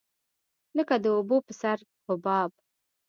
لکه د اوبو په سر حباب.